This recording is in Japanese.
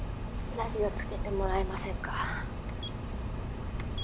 ラジオつけてもらえませんか？